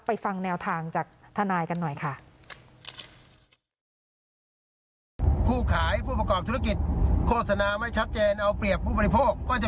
ฟังแนวทางจากทนายกันหน่อยค่ะ